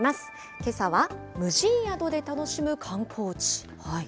けさは無人宿で楽しむ観光地。